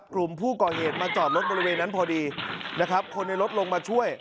กลุ่มผู้ก่อเหตุมาจอดรถบริเวณนั้นพอดีนะครับคนในรถลงมาช่วย